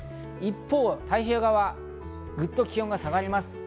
一方、太平洋側、ぐっと気温が下がります。